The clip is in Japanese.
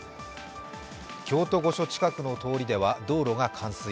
京都御所近くの通りでは道路が冠水。